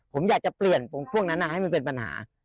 ผมอยากจะเปลี่ยนพวกนั้นให้มันเป็นปัญหา